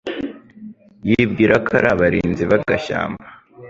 yibwira ko ari abarinzi b'agashyamba.